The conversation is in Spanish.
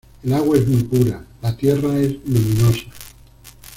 El agua es muy pura, la tierra es luminosa.